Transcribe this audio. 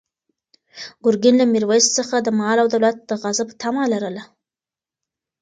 ګرګین له میرویس څخه د مال او دولت د غصب طمع لرله.